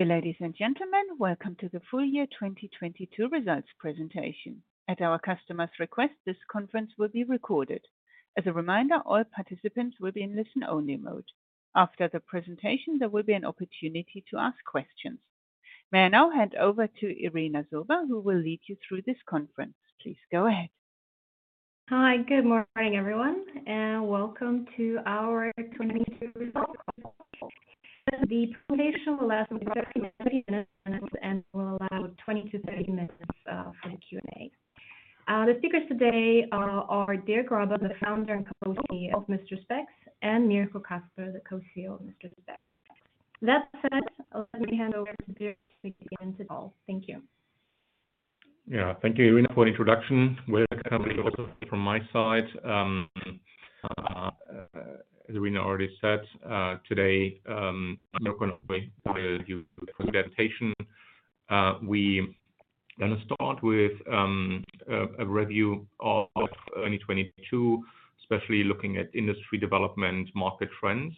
Ladies and gentlemen, welcome to the full year 2022 results presentation. At our customer's request, this conference will be recorded. As a reminder, all participants will be in listen-only mode. After the presentation, there will be an opportunity to ask questions. May I now hand over to Irina Zhurba, who will lead you through this conference. Please go ahead. Hi. Good morning, everyone, and welcome to our 2022 results. The presentation will last for 30 minutes. We'll allow 20-30 minutes for Q&A. The speakers today are Dirk Graber, the Founder and Co-CEO of Mister Spex, and Mirko Caspar, the Co-CEO of Mister Spex. That said, let me hand over to Dirk to begin today. Thank you. Yeah. Thank you, Irina, for the introduction. Welcome also from my side. As Irina already said, today, I'm not gonna wait for you presentation. We gonna start with a review of 2022, especially looking at industry development, market trends,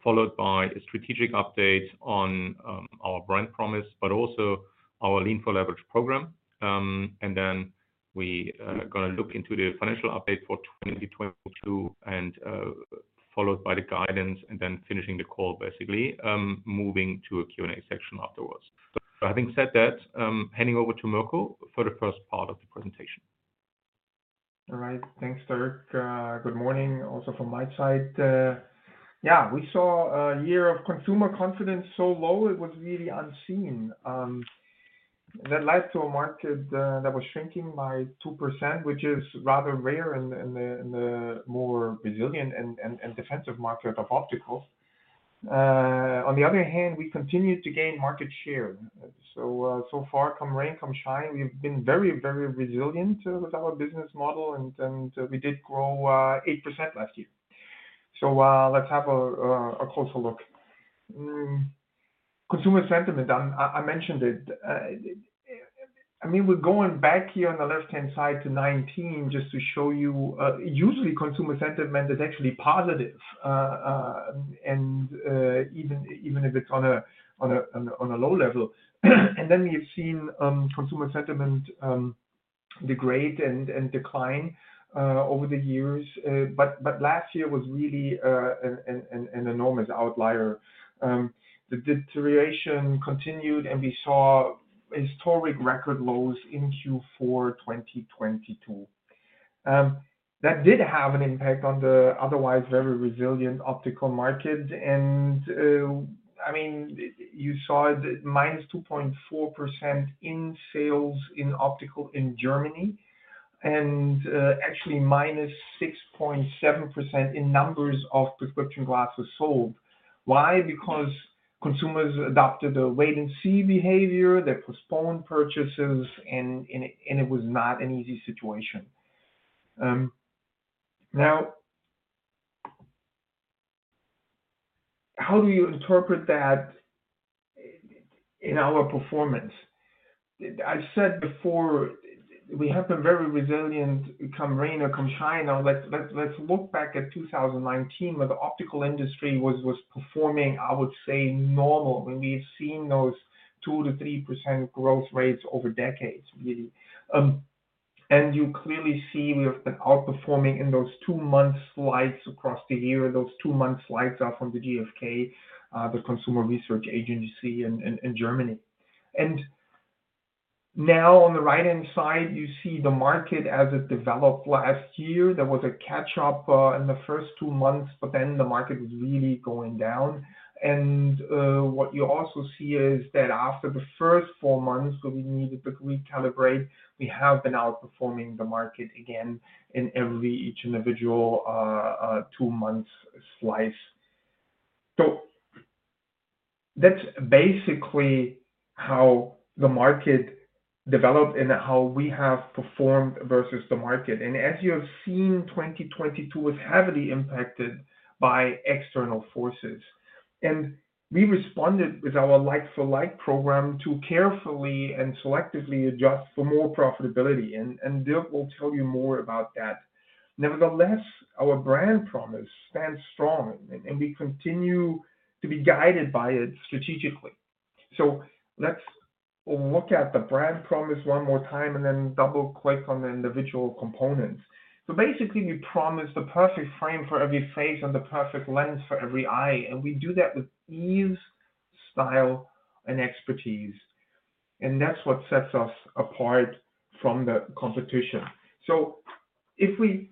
followed by a strategic update on our brand promise, but also our Lean 4 Leverage program. Then we gonna look into the financial update for 2022 and followed by the guidance, and then finishing the call, basically, moving to a Q&A section afterwards. Having said that, handing over to Mirko for the first part of the presentation. All right. Thanks, Dirk. Good morning also from my side. Yeah, we saw a year of consumer confidence so low, it was really unseen, that led to a market that was shrinking by 2%, which is rather rare in the more resilient and defensive market of optical. On the other hand, we continued to gain market share. So far, come rain, come shine, we've been very, very resilient with our business model, and we did grow 8% last year. Let's have a closer look. Consumer sentiment, I mentioned it. I mean, we're going back here on the left-hand side to 2019 just to show you, usually consumer sentiment is actually positive, and even if it's on a low level. We've seen consumer sentiment degrade and decline over the years. Last year was really an enormous outlier. The deterioration continued, and we saw historic record lows in Q4 2022. That did have an impact on the otherwise very resilient optical market. I mean, you saw the -2.4% in sales in optical in Germany actually -6.7% in numbers of prescription glasses sold. Why? Because consumers adopted a wait-and-see behavior, they postponed purchases, and it was not an easy situation. How do you interpret that in our performance? I've said before, we have been very resilient, come rain or come shine. Let's look back at 2019 when the optical industry was performing, I would say, normal, when we've seen those 2%-3% growth rates over decades, really. You clearly see we have been outperforming in those two-month slides across the year. Those two-month slides are from the GfK, the consumer research agency in Germany. On the right-hand side, you see the market as it developed last year. There was a catch-up in the first two months, but then the market was really going down. What you also see is that after the first four months, when we needed to recalibrate, we have been outperforming the market again in every individual two-month slice. That's basically how the market developed and how we have performed versus the market. As you have seen, 2022 was heavily impacted by external forces, and we responded with our like-for-like program to carefully and selectively adjust for more profitability, and Dirk will tell you more about that. Nevertheless, our brand promise stands strong, and we continue to be guided by it strategically. Let's look at the brand promise one more time and then double-click on the individual components. Basically, we promise the perfect frame for every face and the perfect lens for every eye, and we do that with ease, style, and expertise, and that's what sets us apart from the competition. If we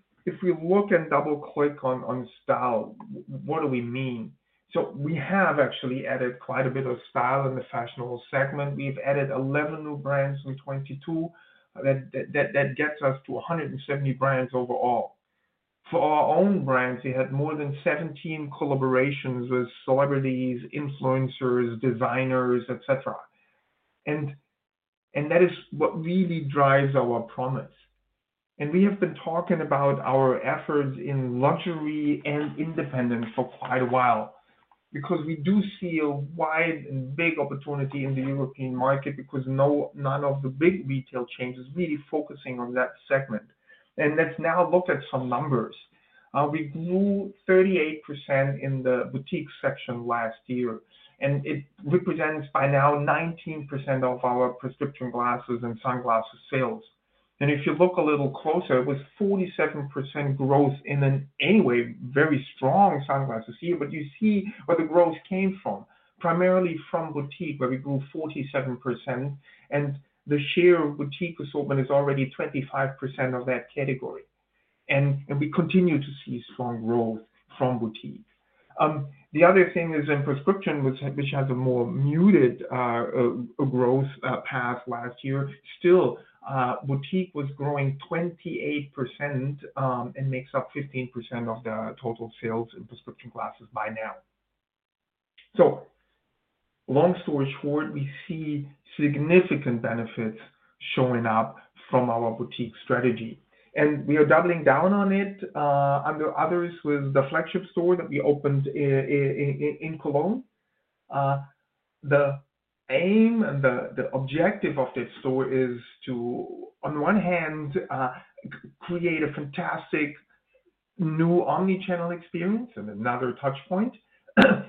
look and double-click on style, what do we mean? We have actually added quite a bit of style in the fashionable segment. We've added 11 new brands in 2022. That gets us to 170 brands overall. For our own brands, we had more than 17 collaborations with celebrities, influencers, designers, et cetera. That is what really drives our promise. We have been talking about our efforts in luxury and independent for quite a while because we do see a wide and big opportunity in the European market because none of the big retail chains is really focusing on that segment. Let's now look at some numbers. We grew 38% in the BOUTIQUE section last year, and it represents by now 19% of our prescription glasses and sunglasses sales. If you look a little closer, it was 47% growth in an anyway very strong sunglasses here. You see where the growth came from, primarily from BOUTIQUE, where we grew 47%, and the share of BOUTIQUE assortment is already 25% of that category. We continue to see strong growth from BOUTIQUE. The other thing is in prescription, which has a more muted growth path last year. Still, BOUTIQUE was growing 28% and makes up 15% of the total sales in prescription glasses by now. Long story short, we see significant benefits showing up from our BOUTIQUE strategy, and we are doubling down on it under others with the flagship store that we opened in Cologne. The aim and the objective of this store is to, on one hand, create a fantastic new omni-channel experience and another touch point,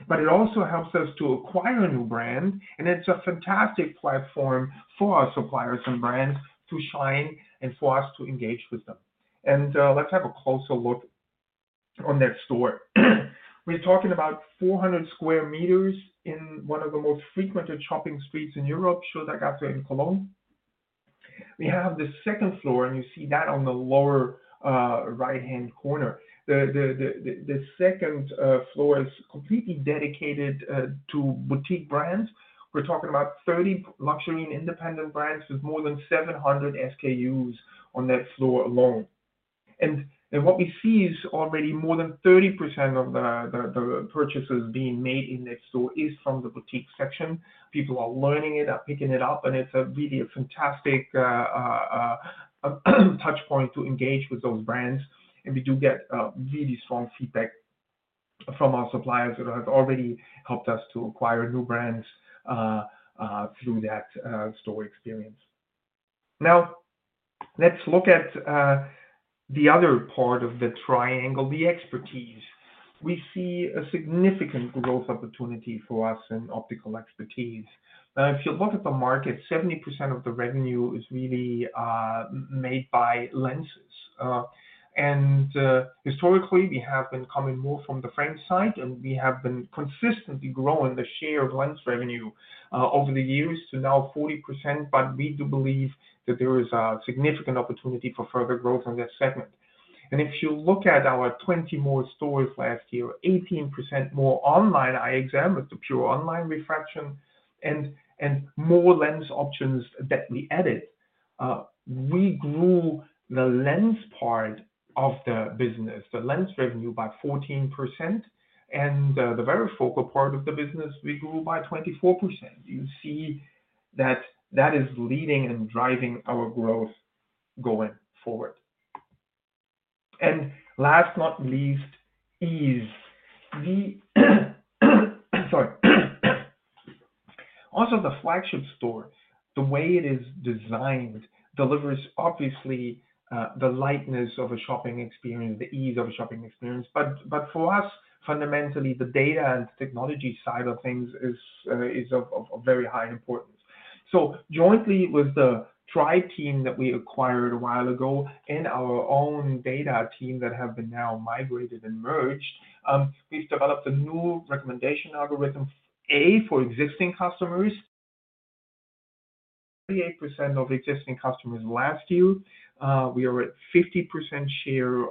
but it also helps us to acquire new brand, and it's a fantastic platform for our suppliers and brands to shine and for us to engage with them. Let's have a closer look on that store. We're talking about 400 sq m in one of the most frequented shopping streets in Europe, Schildergasse in Cologne. We have the second floor, and you see that on the lower, right-hand corner. The second floor is completely dedicated to boutique brands. We're talking about 30 luxury and independent brands with more than 700 SKUs on that floor alone. What we see is already more than 30% of the purchases being made in that store is from the boutique section. People are learning it, are picking it up, and it's a really a fantastic touch point to engage with those brands. We do get really strong feedback from our suppliers that have already helped us to acquire new brands through that store experience. Now, let's look at the other part of the triangle, the expertise. If you look at the market, 70% of the revenue is really made by lenses. Historically, we have been coming more from the frame side, and we have been consistently growing the share of lens revenue over the years to now 40%. But we do believe that there is a significant opportunity for further growth in that segment. If you look at our 20 more stores last year, 18% more online eye exam with the pure online refraction and more lens options that we added, we grew the lens part of the business, the lens revenue, by 14%. The varifocal part of the business, we grew by 24%. You see that that is leading and driving our growth going forward. Last but not least is the. Also the flagship store, the way it is designed delivers obviously, the lightness of a shopping experience, the ease of a shopping experience. But for us, fundamentally, the data and technology side of things is of very high importance. Jointly with the Tribe team that we acquired a while ago and our own data team that have been now migrated and merged, we've developed a new recommendation algorithm, A, for existing customers. 38% of existing customers last year, we were at 50% share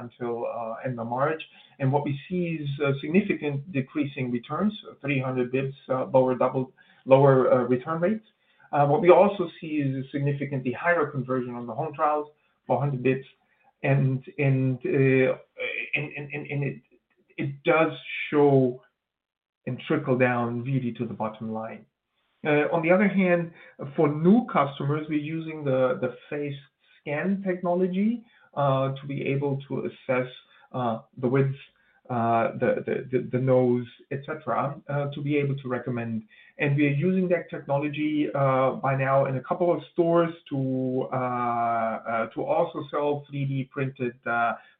until end of March. What we see is a significant decrease in returns, 300 basis points lower return rates. What we also see is a significantly higher conversion on the home trials, 400 basis points. It does show and trickle down really to the bottom line. On the other hand, for new customers, we're using the face scan technology to be able to assess the width, the nose, et cetera, to be able to recommend. We are using that technology by now in a couple of stores to also sell 3D-printed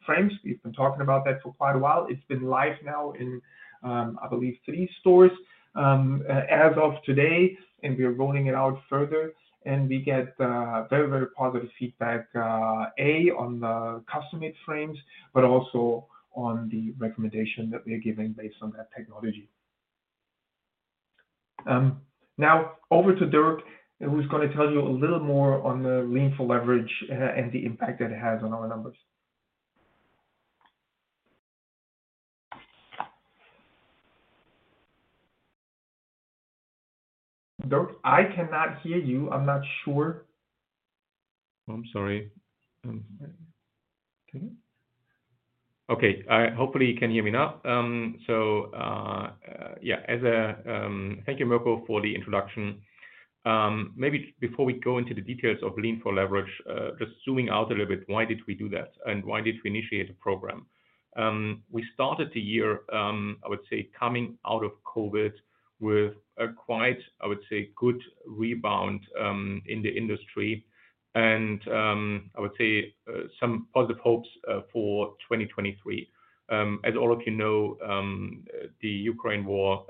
frames. We've been talking about that for quite a while. It's been live now in, I believe three stores, as of today, and we are rolling it out further. We get very, very positive feedback, A, on the custom-made frames, but also on the recommendation that we are giving based on that technology. Now over to Dirk, who's gonna tell you a little more on the Lean 4 Leverage, and the impact it has on our numbers. Dirk, I cannot hear you. I'm not sure. I'm sorry. Can you? Okay, hopefully you can hear me now. Thank you, Mirko, for the introduction. Maybe before we go into the details of Lean 4 Leverage, just zooming out a little bit, why did we do that, and why did we initiate a program? We started the year coming out of COVID with a quite good rebound in the industry and some positive hopes for 2023. As all of you know, the Ukraine war,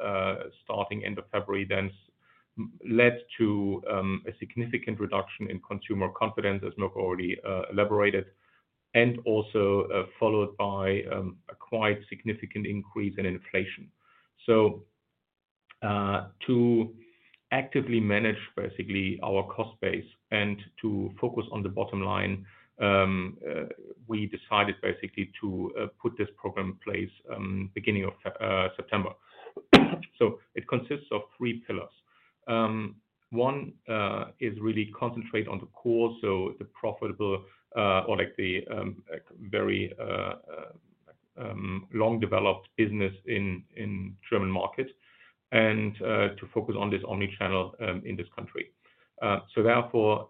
starting end of February, led to a significant reduction in consumer confidence as Mirko already elaborated and also followed by a quite significant increase in inflation. To actively manage basically our cost base and to focus on the bottom line, we decided basically to put this program in place beginning of September. It consists of three pillars. One is really concentrate on the core, so the profitable, or like the very long developed business in German market and to focus on this omni-channel in this country. Therefore,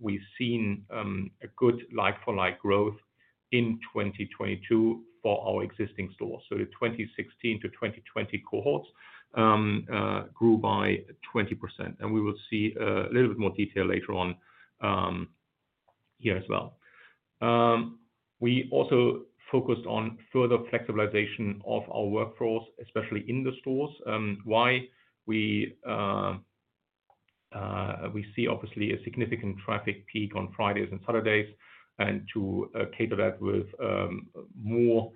we've seen a good like-for-like growth in 2022 for our existing stores. The 2016 to 2020 cohorts grew by 20%, and we will see a little bit more detail later on here as well. We also focused on further flexibilization of our workforce, especially in the stores. Why? We see obviously a significant traffic peak on Fridays and Saturdays and to cater that with more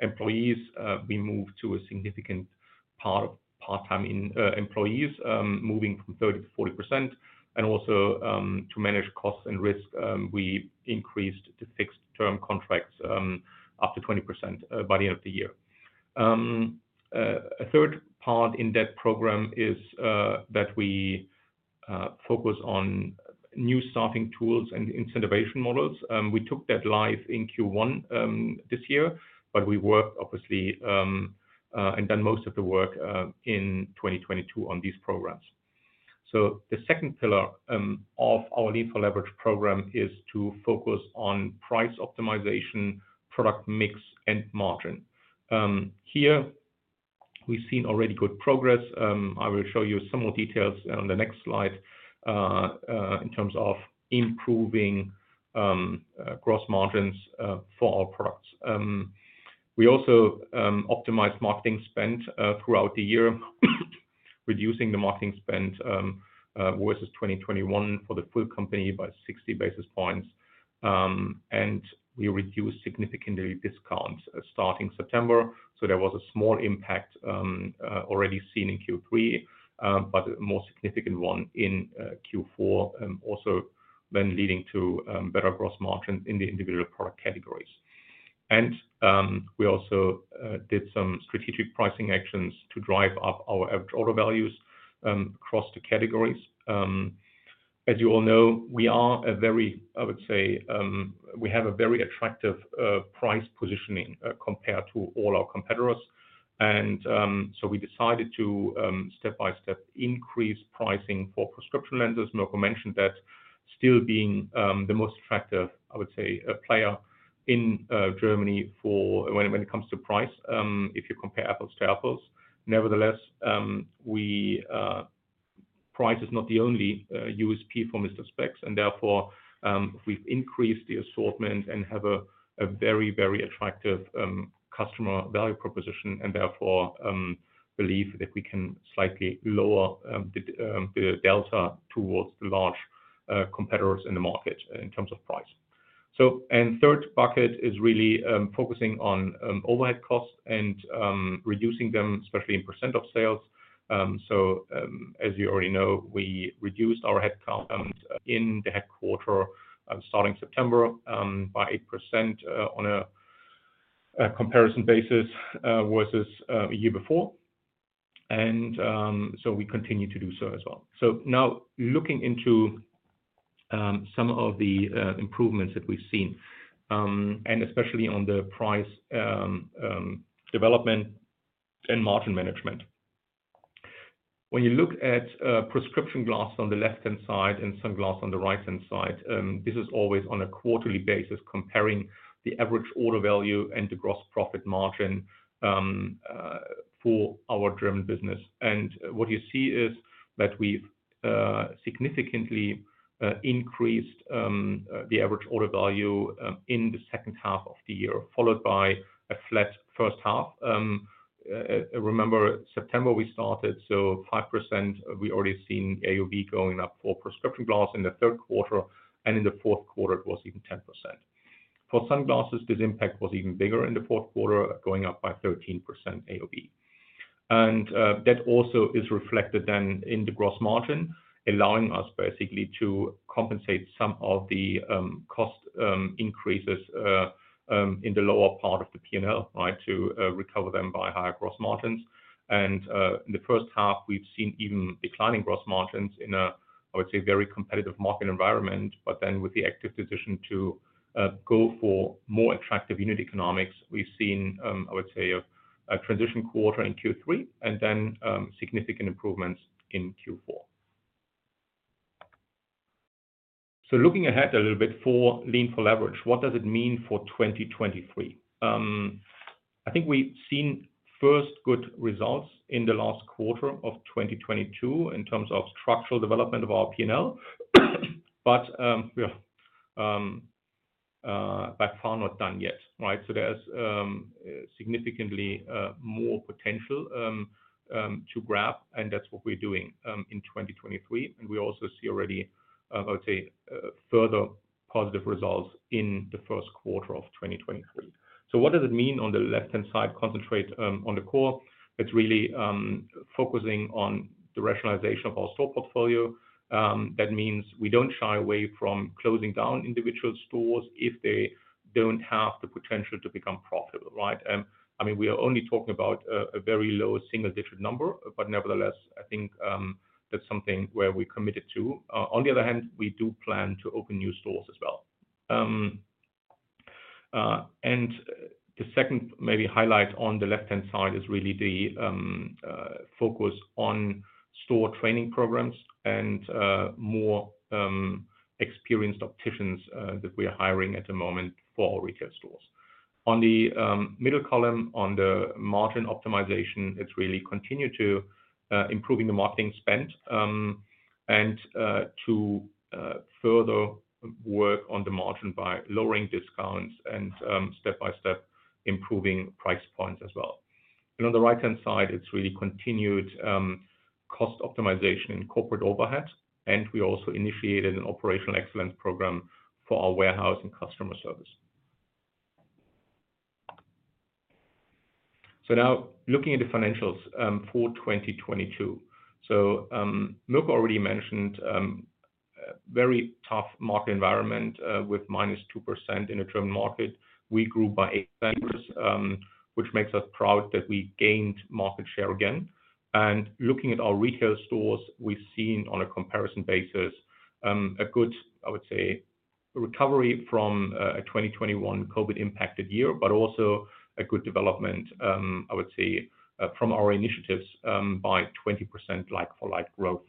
employees, we moved to a significant part of part-time employees, moving from 30%-40%. Also, to manage costs and risk, we increased the fixed-term contracts up to 20% by the end of the year. A third part in that program is that we focus on new staffing tools and incentivation models. We took that live in Q1 this year, we worked obviously and done most of the work in 2022 on these programs. The second pillar of our Lean 4 Leverage program is to focus on price optimization, product mix and margin. Here we've seen already good progress. I will show you some more details on the next slide, in terms of improving gross margins for our products. We also optimized marketing spend throughout the year, reducing the marketing spend versus 2021 for the full company by 60 basis points. We reduced significantly discounts starting September. There was a small impact already seen in Q3, but a more significant one in Q4, also then leading to better gross margins in the individual product categories. We also did some strategic pricing actions to drive up our average order values across the categories. As you all know, we are a very, I would say, we have a very attractive price positioning compared to all our competitors. We decided to step-by-step increase pricing for prescription lenses. Mirko mentioned that still being the most attractive, I would say, player in Germany for when it comes to price, if you compare apples to apples. Nevertheless, we price is not the only USP for Mister Spex and therefore, we've increased the assortment and have a very, very attractive customer value proposition and therefore, believe that we can slightly lower the delta towards the large competitors in the market in terms of price. Third bucket is really focusing on overhead costs and reducing them, especially in percent of sales. As you already know, we reduced our headcount in the headquarters starting September by 8% on a comparison basis versus a year before. We continue to do so as well. Now looking into some of the improvements that we've seen, and especially on the price development and margin management. When you look at prescription glasses on the left-hand side and sunglasses on the right-hand side, this is always on a quarterly basis comparing the average order value and the gross profit margin for our German business. What you see is that we've significantly increased the average order value in the second half of the year, followed by a flat first half. Remember September we started, so 5% we already seen AOV going up for prescription glasses in the third quarter, and in the fourth quarter it was even 10%. For sunglasses, this impact was even bigger in the fourth quarter, going up by 13% AOV. That also is reflected then in the gross margin, allowing us basically to compensate some of the cost increases in the lower part of the P&L, right? To recover them by higher gross margins. In the 1st half we've seen even declining gross margins in a, I would say, very competitive market environment. With the active decision to go for more attractive unit economics, we've seen I would say a transition quarter in Q3 and then significant improvements in Q4. Looking ahead a little bit for Lean 4 Leverage, what does it mean for 2023? I think we've seen first good results in the last quarter of 2022 in terms of structural development of our P&L. We are by far not done yet, right? There's significantly more potential to grab, and that's what we're doing in 2023. We also see already I would say further positive results in the first quarter of 2023. What does it mean on the left-hand side, concentrate on the core? It's really focusing on the rationalization of our store portfolio. That means we don't shy away from closing down individual stores if they don't have the potential to become profitable, right? I mean, we are only talking about a very low single-digit number, but nevertheless, I think, that's something where we're committed to. On the other hand, we do plan to open new stores as well. The second maybe highlight on the left-hand side is really the focus on store training programs and more experienced opticians that we are hiring at the moment for our retail stores. On the middle column on the margin optimization, it's really continue to improving the marketing spend and to further work on the margin by lowering discounts and step-by-step improving price points as well. On the right-hand side, it's really continued, cost optimization in corporate overhead, and we also initiated an operational excellence program for our warehouse and customer service. Now looking at the financials, for 2022. Mirko already mentioned, a very tough market environment, with -2% in the German market. We grew by eight factors, which makes us proud that we gained market share again. Looking at our retail stores, we've seen on a comparison basis, a good, I would say, recovery from, a 2021 COVID impacted year, but also a good development, I would say, from our initiatives, by 20% like-for-like growth.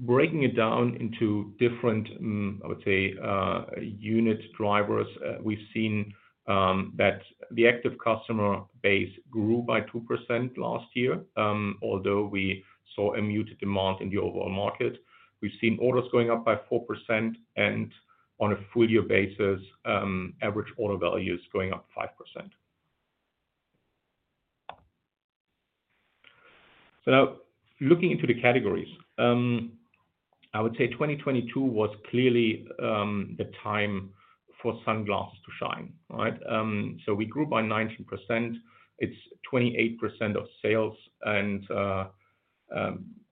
Breaking it down into different, I would say, unit drivers, we've seen that the active customer base grew by 2% last year, although we saw a muted demand in the overall market. We've seen orders going up by 4% and on a full year basis, average order values going up 5%. Now looking into the categories, I would say 2022 was clearly the time for sunglasses to shine, right? We grew by 19%. It's 28% of sales.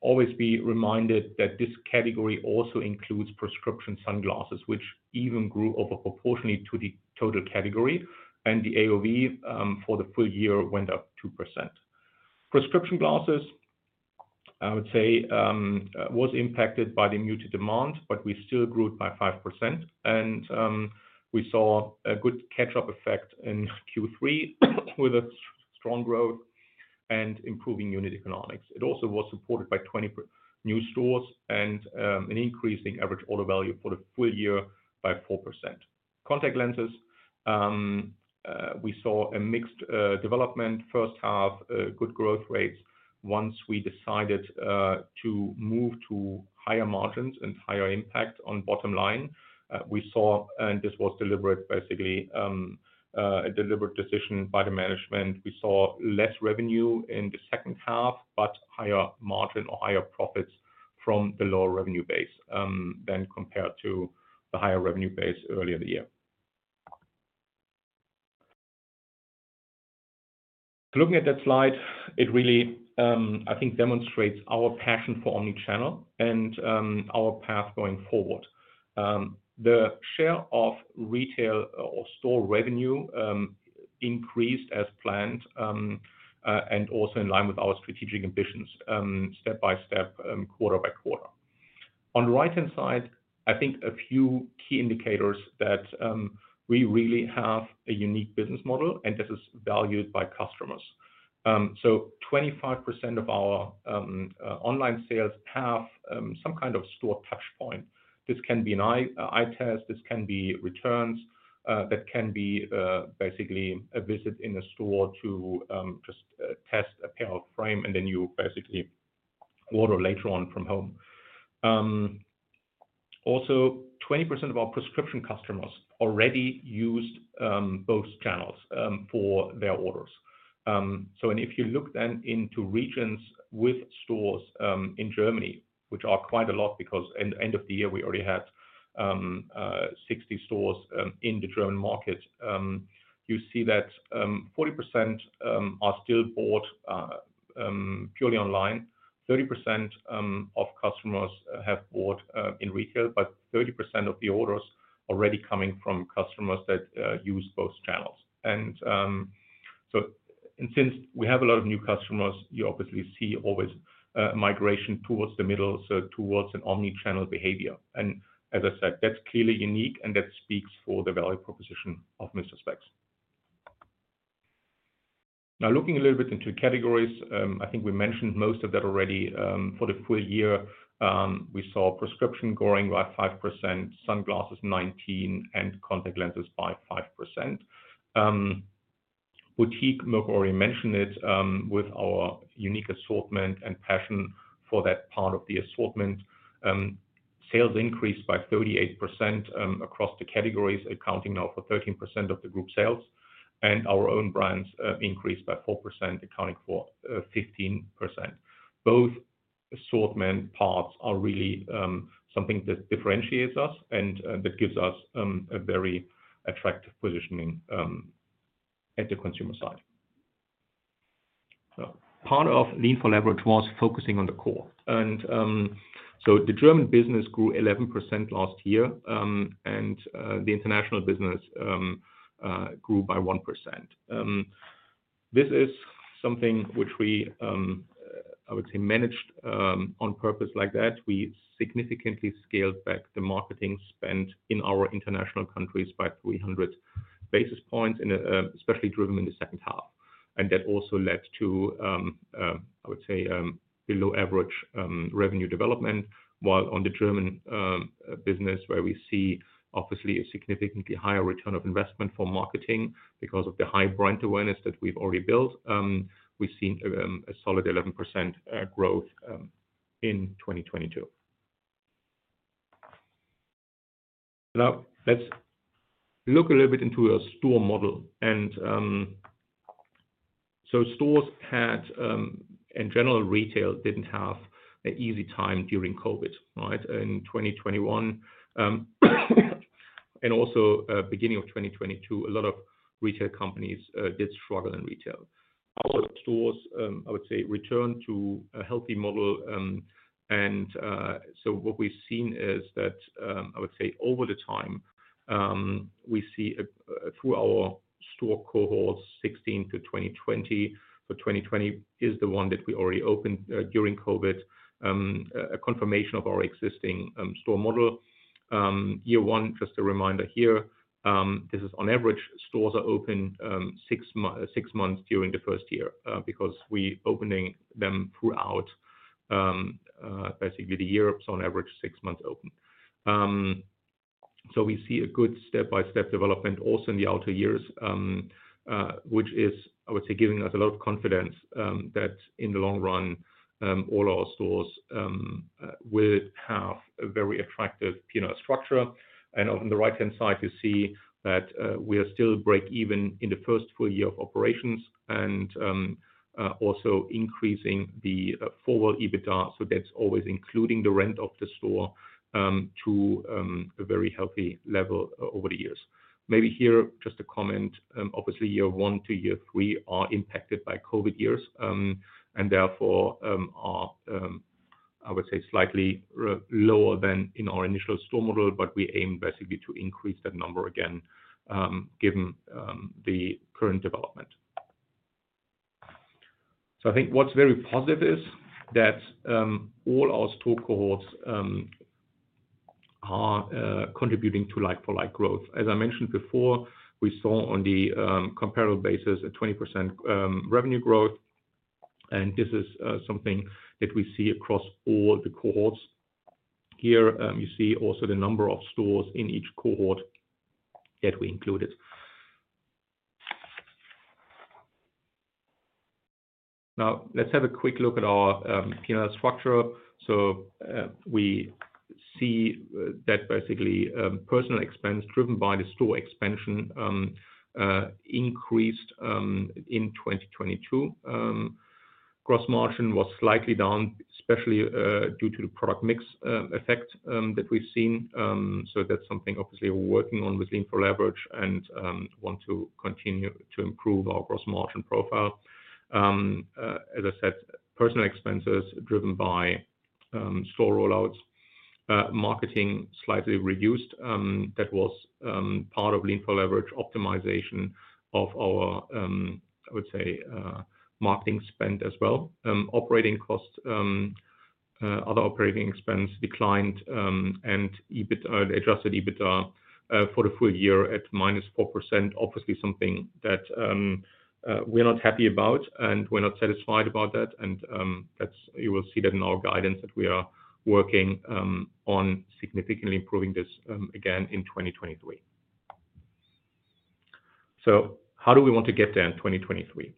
Always be reminded that this category also includes prescription sunglasses, which even grew over proportionally to the total category. The AOV for the full year went up 2%. Prescription glasses, I would say, was impacted by the muted demand, but we still grew it by 5%. We saw a good catch-up effect in Q3 with a strong growth and improving unit economics. It also was supported by 20 new stores and an increasing average order value for the full year by 4%. Contact lenses, we saw a mixed development. First half, good growth rates. Once we decided to move to higher margins and higher impact on bottom line, we saw and this was deliberate, basically, a deliberate decision by the management. We saw less revenue in the second half, but higher margin or higher profits from the lower revenue base than compared to the higher revenue base earlier in the year. Looking at that slide, it really, I think demonstrates our passion for omni-channel and our path going forward. The share of retail or store revenue increased as planned and also in line with our strategic ambitions, step-by-step, quarter-by-quarter. On the right-hand side, I think a few key indicators that we really have a unique business model, and this is valued by customers. 25% of our online sales have some kind of store touch point. This can be an eye test, this can be returns, that can be basically a visit in a store to just test a pair of frame, and then you basically order later on from home. 20% of our prescription customers already used both channels for their orders. If you look then into regions with stores, in Germany, which are quite a lot because in the end of the year we already had 60 stores in the German market, you see that 40% are still bought purely online. 30% of customers have bought in retail, but 30% of the orders already coming from customers that use both channels. Since we have a lot of new customers, you obviously see always migration towards the middle, so towards an omni-channel behavior. As I said, that's clearly unique and that speaks for the value proposition of Mister Spex. Now looking a little bit into categories, I think we mentioned most of that already for the full year. We saw prescription growing by 5%, sunglasses 19%, and contact lenses by 5%. BOUTIQUE, Mike already mentioned it, with our unique assortment and passion for that part of the assortment, sales increased by 38% across the categories, accounting now for 13% of the group sales. Our own brands increased by 4%, accounting for 15%. Both assortment parts are really something that differentiates us and that gives us a very attractive positioning at the consumer side. Part of Lean 4 Leverage was focusing on the core. The German business grew 11% last year, and the international business grew by 1%. This is something which we, I would say managed, on purpose like that. We significantly scaled back the marketing spend in our international countries by 300 basis points, especially driven in the second half. That also led to below average revenue development, while on the German business, where we see obviously a significantly higher return on investment for marketing because of the high brand awareness that we've already built, we've seen a solid 11% growth in 2022. Let's look a little bit into our store model, so stores had in general, retail didn't have an easy time during COVID, right? In 2021, and also beginning of 2022, a lot of retail companies did struggle in retail. Our stores, I would say returned to a healthy model. What we've seen is that, I would say over the time, we see through our store cohorts 16 to 2020, so 2020 is the one that we already opened during COVID, a confirmation of our existing store model. Year one, just a reminder here, this is on average stores are open six months during the first year, because we opening them throughout basically the year, so on average six months open. We see a good step-by-step development also in the outer years, which is, I would say, giving us a lot of confidence that in the long run, all our stores will have a very attractive P&L structure. On the right-hand side, you see that we are still breakeven in the first full year of operations and also increasing the forward EBITDA, so that's always including the rent of the store to a very healthy level over the years. Maybe here, just a comment, obviously year one to year three are impacted by COVID years, and therefore are I would say slightly lower than in our initial store model, but we aim basically to increase that number again given the current development. I think what's very positive is that all our store cohorts are contributing to like-for-like growth. As I mentioned before, we saw on the comparable basis a 20% revenue growth, and this is something that we see across all the cohorts. Here, you see also the number of stores in each cohort that we included. Let's have a quick look at our P&L structure. We see that basically, personal expense driven by the store expansion increased in 2022. Gross margin was slightly down, especially due to the product mix effect that we've seen. That's something obviously we're working on with Lean 4 Leverage and want to continue to improve our gross margin profile. As I said, personal expenses driven by store rollouts. Marketing slightly reduced, that was part of Lean 4 Leverage optimization of our, I would say, marketing spend as well. Operating costs, other operating expense declined, adjusted EBITDA for the full year at -4%, obviously something that we're not happy about, and we're not satisfied about that. You will see that in our guidance that we are working on significantly improving this again in 2023. How do we want to get there in 2023?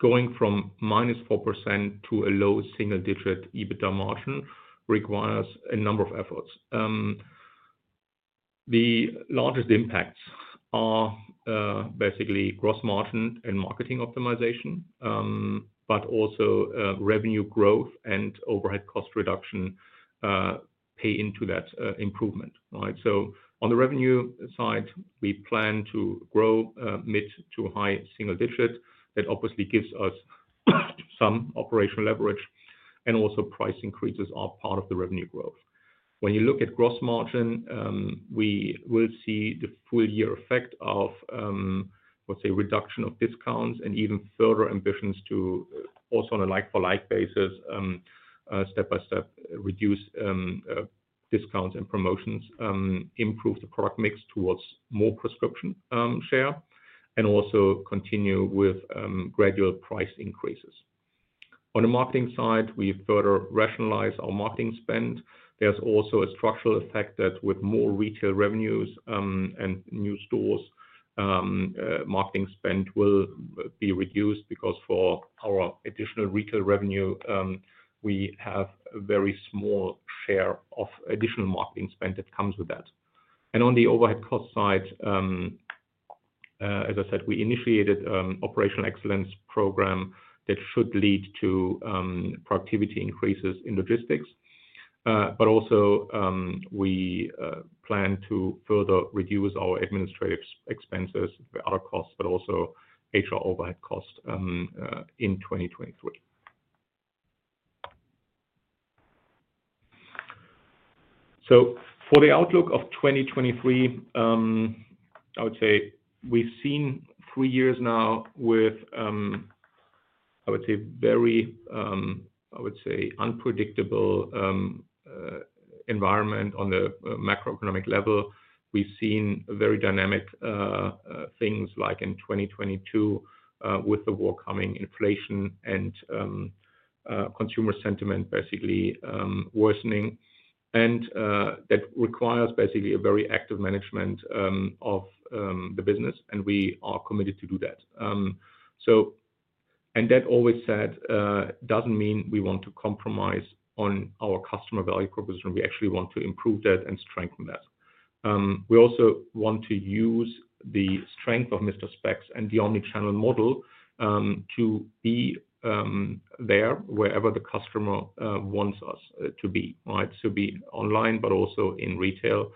Going from -4% to a low single-digit EBITDA margin requires a number of efforts. The largest impacts are basically gross margin and marketing optimization, but also revenue growth and overhead cost reduction pay into that improvement. All right. On the revenue side, we plan to grow mid to high single digits. That obviously gives us some operational leverage. Also price increases are part of the revenue growth. When you look at gross margin, we will see the full year effect of let's say reduction of discounts and even further ambitions to also on a like-for-like basis, step-by-step reduce discounts and promotions, improve the product mix towards more prescription share, and also continue with gradual price increases. On the marketing side, we further rationalize our marketing spend. There's also a structural effect that with more retail revenues and new stores, marketing spend will be reduced because for our additional retail revenue, we have a very small share of additional marketing spend that comes with that. On the overhead cost side, as I said, we initiated operational excellence program that should lead to productivity increases in logistics. We plan to further reduce our administrative expenses, other costs, but also HR overhead costs in 2023. For the outlook of 2023, I would say we've seen three years now with very unpredictable environment on the macroeconomic level. We've seen very dynamic things like in 2022, with the war coming, inflation and consumer sentiment basically worsening. That requires basically a very active management of the business, and we are committed to do that. That always said, doesn't mean we want to compromise on our customer value proposition. We actually want to improve that and strengthen that. We also want to use the strength of Mister Spex and the omnichannel model to be there wherever the customer wants us to be, right? To be online but also in retail.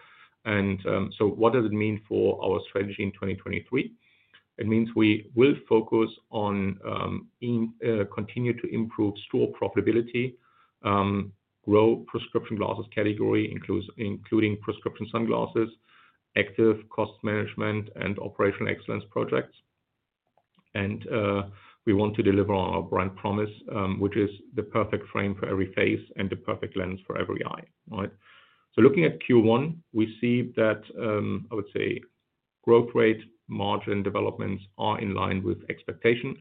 What does it mean for our strategy in 2023? It means we will focus on continue to improve store profitability, grow prescription glasses category including prescription sunglasses, active cost management, and operational excellence projects. We want to deliver on our brand promise, which is the perfect frame for every face and the perfect lens for every eye. All right? Looking at Q1, we see that I would say growth rate, margin developments are in line with expectation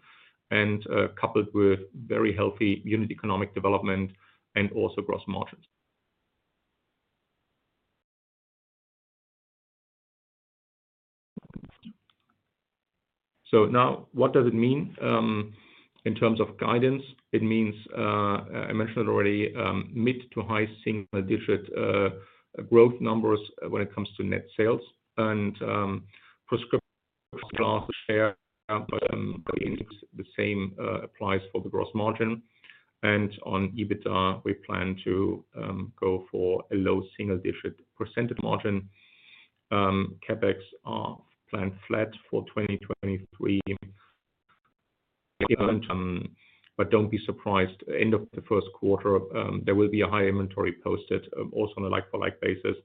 coupled with very healthy unit economic development and also gross margins. What does it mean in terms of guidance? It means I mentioned it already, mid-to-high single-digit growth numbers when it comes to net sales. Prescription glasses share, the same applies for the gross margin. On EBITDA, we plan to go for a low single-digit % margin. CapEx are planned flat for 2023. Don't be surprised, end of the first quarter, there will be a high inventory posted also on a like-for-like basis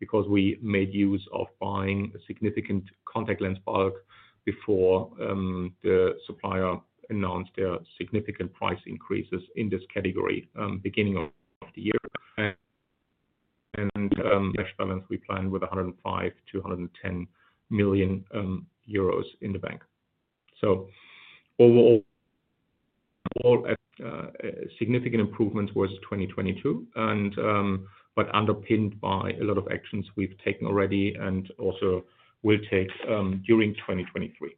because we made use of buying significant contact lens bulk before the supplier announced their significant price increases in this category beginning of the year. Cash balance, we plan with 105 million-110 million euros in the bank. Overall, significant improvement towards 2022 and, but underpinned by a lot of actions we've taken already and also will take during 2023.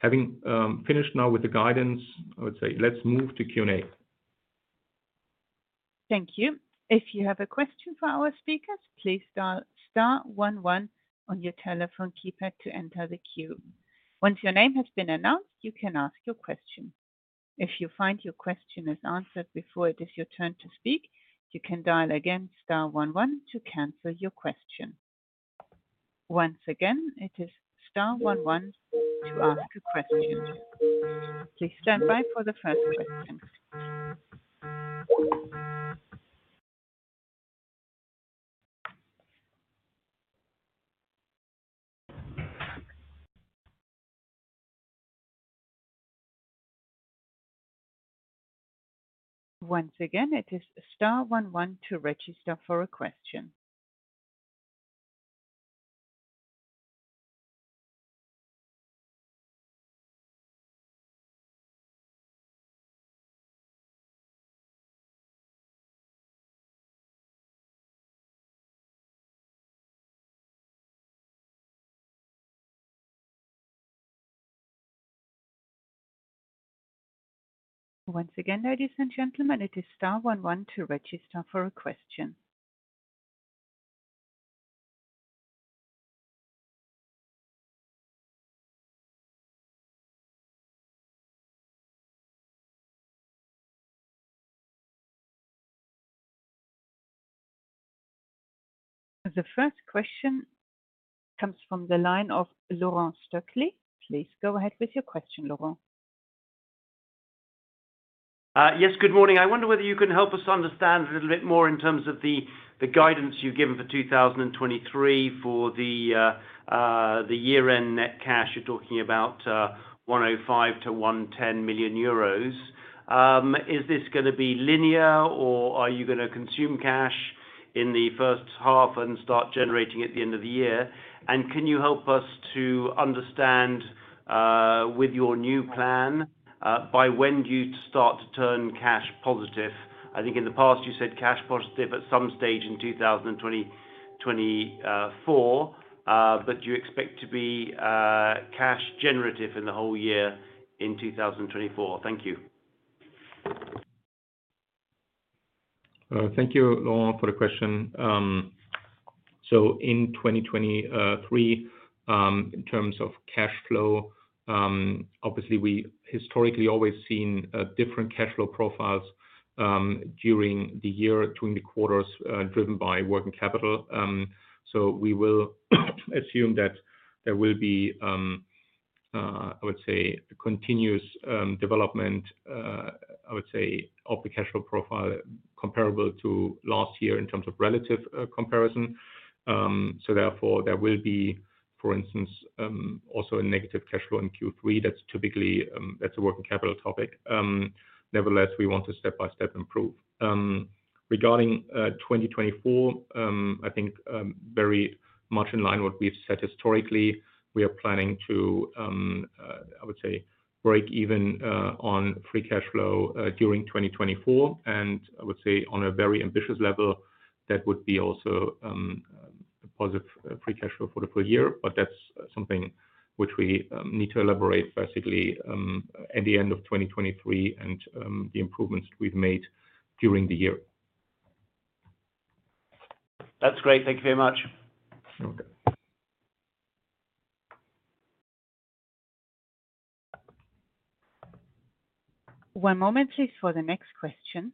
Having finished now with the guidance, I would say let's move to Q&A. Thank you. If you have a question for our speakers, please dial star one one on your telephone keypad to enter the queue. Once your name has been announced, you can ask your question. If you find your question is answered before it is your turn to speak, you can dial again star one one to cancel your question. Once again, it is star one one to ask a question. Please stand by for the first question. Once again, it is star one one to register for a question. Once again, ladies and gentlemen, it is star one one to register for a question. The first question comes from the line of Laurent Stöckli. Please go ahead with your question, Laurent. Yes. Good morning. I wonder whether you can help us understand a little bit more in terms of the guidance you've given for 2023 for the year-end net cash. You're talking about 105 million-110 million euros. Is this gonna be linear, or are you gonna consume cash in the first half and start generating at the end of the year? Can you help us to understand, with your new plan, by when do you start to turn cash positive? I think in the past you said cash positive at some stage in 2024, but you expect to be cash generative in the whole year in 2024. Thank you. Thank you, Laurent, for the question. In 2023, in terms of cash flow, obviously we historically always seen different cash flow profiles during the year between the quarters, driven by working capital. We will assume that there will be I would say a continuous development I would say of the cash flow profile comparable to last year in terms of relative comparison. Therefore there will be for instance also a negative cash flow in Q3. That's typically that's a working capital topic. Nevertheless, we want to step by step improve. Regarding 2024, I think very much in line what we've said historically. We are planning to, I would say break even, on free cash flow, during 2024, and I would say on a very ambitious level, that would be also, positive free cash flow for the full year. That's something which we, need to elaborate basically, at the end of 2023 and, the improvements we've made during the year. That's great. Thank you very much. Okay. One moment please for the next question.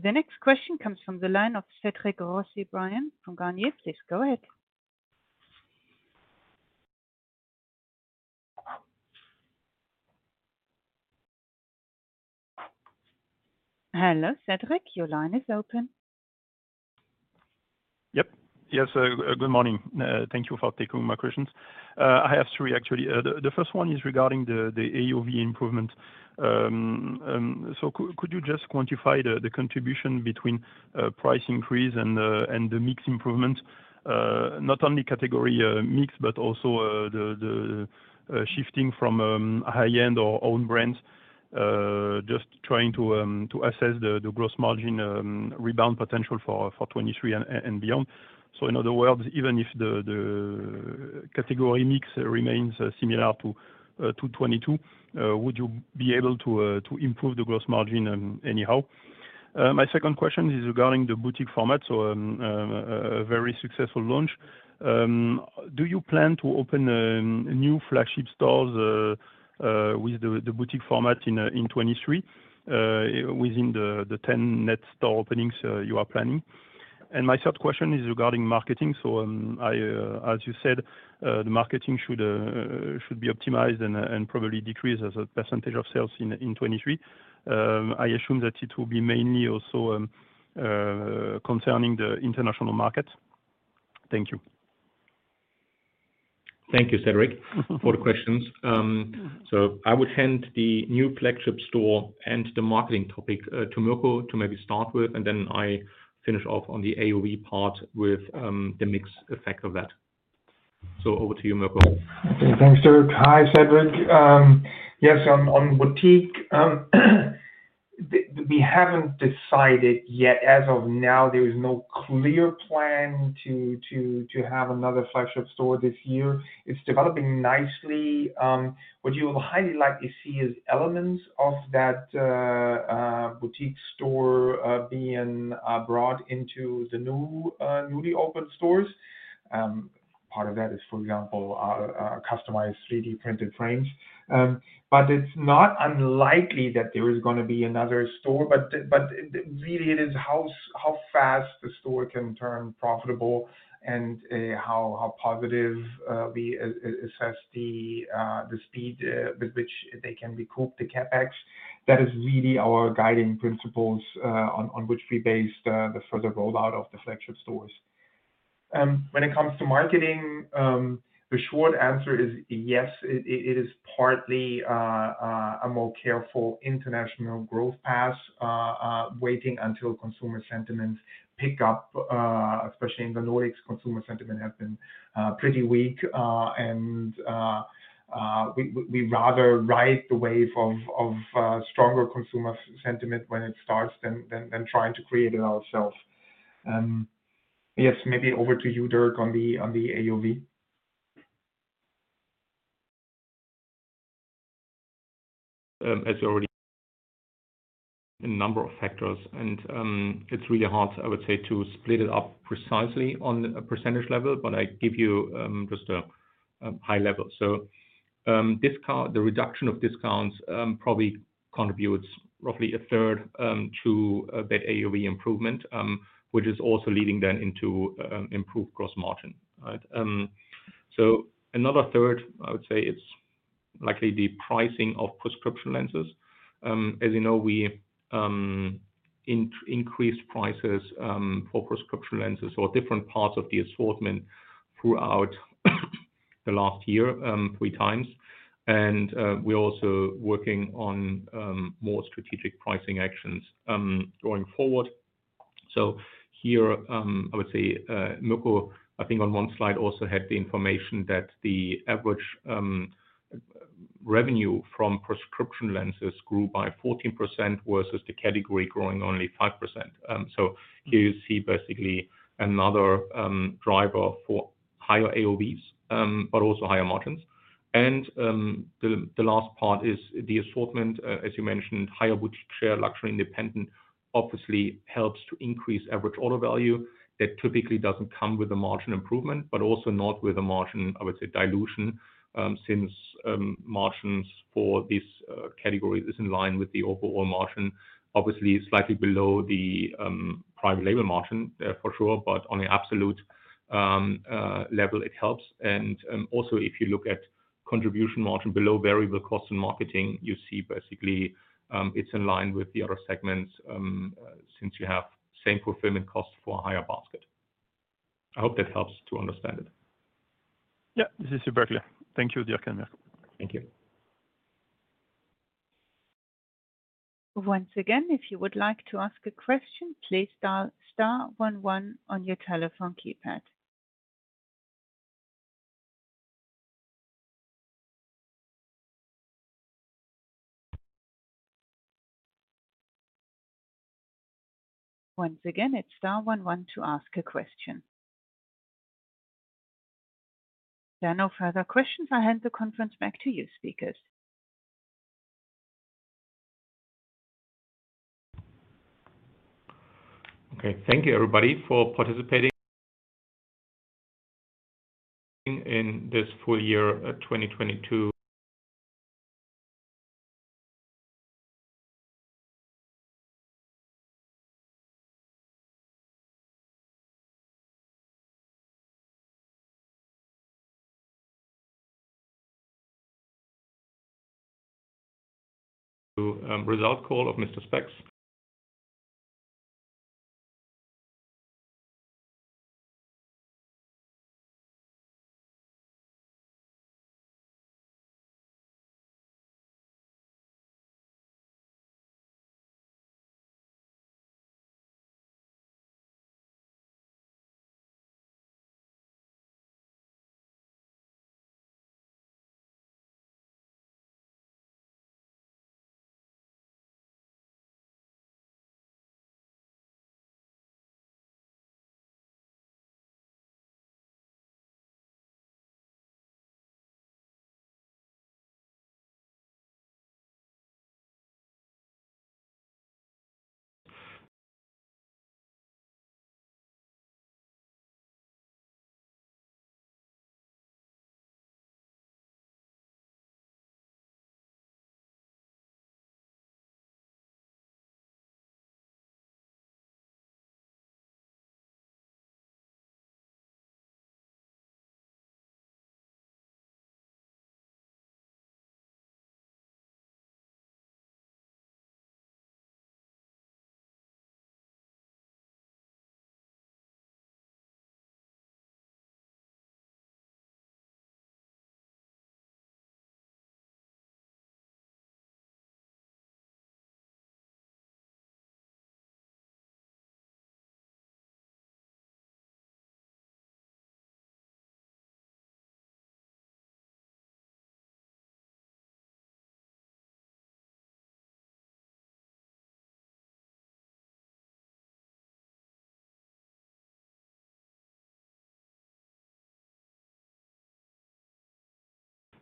The next question comes from the line of Cédric Rossi from Bryan, Garnier. Please go ahead. Hello, Cédric. Your line is open. Yep. Yes. Good morning. Thank you for taking my questions. I have three actually. The first one is regarding the AOV improvement. Could you just quantify the contribution between price increase and the mix improvement? Not only category mix, but also the shifting from high-end or own brands. Just trying to assess the gross margin rebound potential for 2023 and beyond. In other words, even if the category mix remains similar to 2022, would you be able to improve the gross margin anyhow? My second question is regarding the Boutique format. A very successful launch. Do you plan to open new flagship stores with the Boutique format in 2023 within the 10 net store openings you are planning? My third question is regarding marketing. I as you said, the marketing should be optimized and probably decrease as a percentage of sales in 2023. I assume that it will be mainly also concerning the international market. Thank you. Thank you, Cédric, for the questions. I would hand the new flagship store and the marketing topic to Mirko to maybe start with, and then I finish off on the AOV part with the mix effect of that. Over to you, Mirko. Okay. Thanks, Dirk. Hi, Cédric. Yes, on boutique, we haven't decided yet. As of now, there is no clear plan to have another flagship store this year. It's developing nicely. What you would highly likely see is elements of that boutique store being brought into the new, newly opened stores. Part of that is, for example, our customized 3D-printed frames. It's not unlikely that there is gonna be another store. Really it is how fast the store can turn profitable and how positive we assess the speed with which they can recoup the CapEx. That is really our guiding principles on which we base the further rollout of the flagship stores. When it comes to marketing, the short answer is yes, it is partly a more careful international growth path, waiting until consumer sentiments pick up, especially in the Nordics, consumer sentiment has been pretty weak. We'd rather ride the wave of stronger consumer sentiment when it starts than trying to create it ourselves. Yes, maybe over to you, Dirk, on the AOV. As already a number of factors and, it's really hard, I would say, to split it up precisely on a percentage level, but I give you, just a high level. Discount, the reduction of discounts, probably contributes roughly a third to a bit AOV improvement, which is also leading then into improved gross margin. Right. Another third, I would say it's likely the pricing of prescription lenses. As you know, we increased prices for prescription lenses or different parts of the assortment throughout the last year, three times. We're also working on more strategic pricing actions going forward. Here, I would say, Mirko, I think on one slide also had the information that the average revenue from prescription lenses grew by 14% versus the category growing only 5%. Here you see basically another driver for higher AOVs, but also higher margins. The last part is the assortment, as you mentioned, higher goods share, luxury independent obviously helps to increase average order value. That typically doesn't come with a margin improvement, but also not with a margin, I would say, dilution, since margins for this category is in line with the overall margin, obviously slightly below the private label margin, for sure, but on the absolute level it helps. Also, if you look at contribution margin below variable cost and marketing, you see basically, it's in line with the other segments, since you have same fulfillment cost for a higher basket. I hope that helps to understand it. Yeah. This is super clear. Thank you, Dirk and Mirko. Thank you. Once again, if you would like to ask a question, please dial star one one on your telephone keypad. Once again, it's star one one to ask a question. There are no further questions. I hand the conference back to you, speakers. Okay. Thank you everybody for participating in this full year 2022 result call of Mister Spex.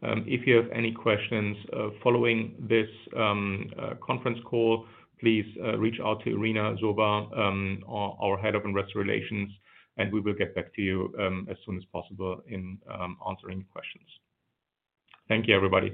If you have any questions, following this conference call, please reach out to Irina Zhurba, our Head of Investor Relations, and we will get back to you as soon as possible in answering your questions. Thank you everybody.